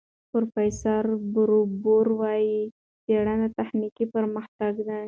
پروفیسور باربور وايي، څېړنه تخنیکي پرمختګ دی.